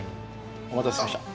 お待たせしました。